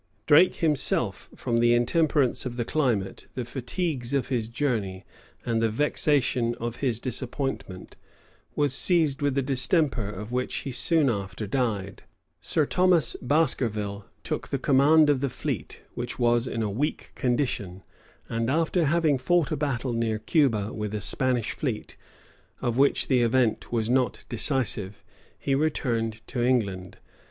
Drake himself, from the intemperance of the climate, the fatigues of his journey, and the vexation of his disappointment, was seized with a distemper of which he soon after died. Sir Thomas Baskerville took the command of the fleet, which was in a weak condition; and after having fought a battle near Cuba with a Spanish fleet, of which the event was not decisive, he returned to England.